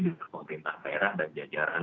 dengan pemerintah daerah dan jajaran